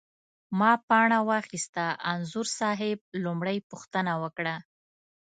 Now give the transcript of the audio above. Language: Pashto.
ما پاڼه واخسته، انځور صاحب لومړۍ پوښتنه وکړه.